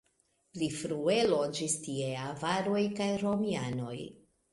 Pli frue loĝis tie avaroj kaj romianoj.